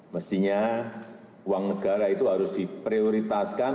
mestinya uang negara itu harus diprioritaskan